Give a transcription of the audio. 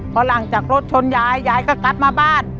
พอหลังจากรถชนยายยายก็กลับมาบ้าน